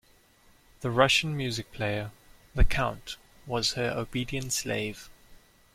The Russian music player, the Count, was her obedient slave.